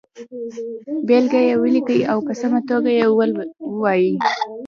بېلګه یې ولیکئ او په سمه توګه یې ووایئ.